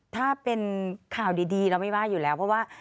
ถ้าเป็นข่าวดีเราไม่ว่าอยู่แล้วเพราะว่า